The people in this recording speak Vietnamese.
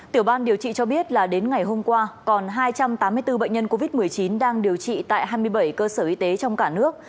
tiểu ban điều trị cho biết là đến ngày hôm qua còn hai trăm tám mươi bốn bệnh nhân covid một mươi chín đang điều trị tại hai mươi bảy cơ sở y tế trong cả nước